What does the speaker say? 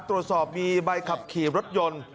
ตรวจสอบมีใบขับขี่รถยนต์